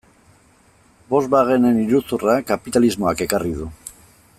Volkswagenen iruzurra kapitalismoak ekarri du.